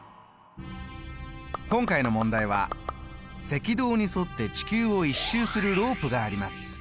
今回の問題は「赤道に沿って地球を１周するロープがあります。